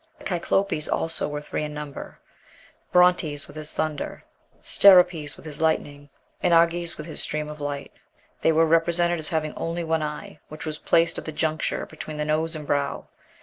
"The Kyklopes also were three in number Brontes, with his thunder; Steropes, with his lightning; and Arges, with his stream of light. They were represented as having only one eye, which was placed at the juncture between the nose and brow.